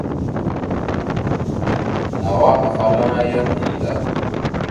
Nawa afalaŋa yaŋ enida.